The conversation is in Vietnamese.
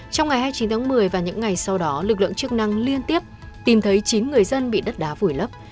trong ngày hai mươi chín tháng một mươi và những ngày sau đó lực lượng chức năng liên tiếp tìm thấy chín người dân bị đất đá vùi lấp